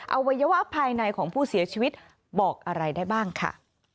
อวัยวะภายในของผู้เสียชีวิตบอกอะไรได้บ้างค่ะ